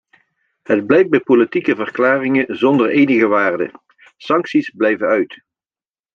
Het blijft bij politieke verklaringen zonder enige waarde, sancties blijven uit.